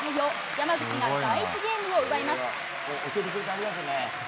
山口が第１ゲームを奪います。